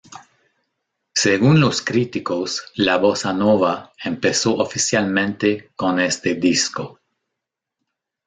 Según los críticos, la bossa nova empezó oficialmente con este disco.